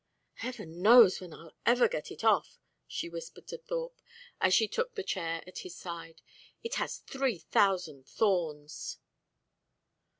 "Heaven knows when I'll ever get it off," she whispered to Thorpe, as she took the chair at his side. "It has three thousand thorns."